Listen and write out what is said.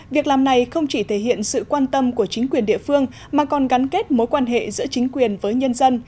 việc làm này không chỉ thể hiện sự quan tâm của chính quyền địa phương mà còn gắn kết mối quan hệ giữa chính quyền với nhân dân